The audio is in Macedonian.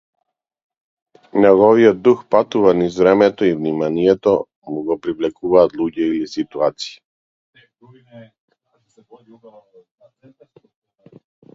Неговиот дух патува низ времето и вниманието му го привлекуваат луѓе или ситуации.